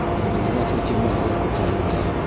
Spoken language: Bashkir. Демография темаһы ла күтәрелде.